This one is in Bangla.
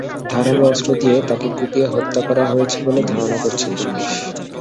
ধারালো অস্ত্র দিয়ে তাঁকে কুপিয়ে হত্যা করা হয়েছে বলে ধারণা করছে পুলিশ।